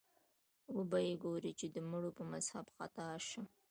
وبه یې ګورې چې د مړو په مذهب خطا شم